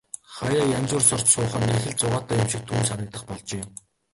Хааяа янжуур сорж суух нь их л зугаатай юм шиг түүнд санагдах болжээ.